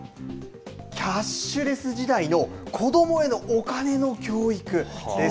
キャッシュレス時代の子どもへのお金の教育です。